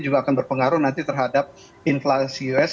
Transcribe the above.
juga akan berpengaruh nanti terhadap inflasi us